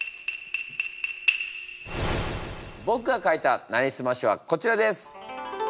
僕が書いた「なりすまし」はこちらです。